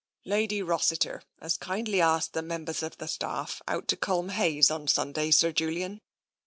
"Lady Rossiter has kindly asked the members of the staff out to Culmhayes on Sunday, Sir Julian."